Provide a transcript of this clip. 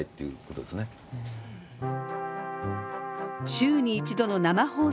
週に一度の生放送。